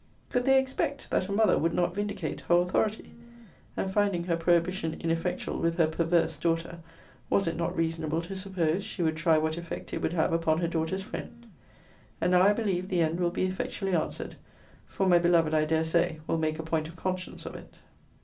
Could they expect, that a mother would not vindicate her authority? and finding her prohibition ineffectual with her perverse daughter, was it not reasonable to suppose she would try what effect it would have upon her daughter's friend? And now I believe the end will be effectually answered: for my beloved, I dare say, will make a point of conscience of it.